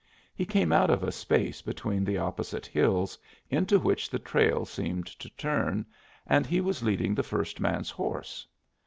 He came out of a space between the opposite hills, into which the trail seemed to turn, and he was leading the first man's horse.